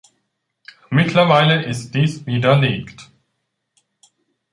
Mittlerweile ist dies widerlegt.